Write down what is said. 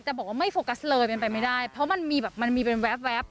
แต่บอกว่าไม่โฟกัสเลยเป็นไปไม่ได้เพราะมันมีแบบมันมีเป็นแว๊บ